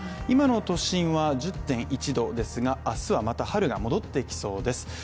今の都心は１０．１度ですが、明日はまた春が戻ってきそうです。